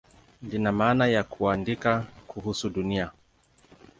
Lina maana ya "kuandika kuhusu Dunia".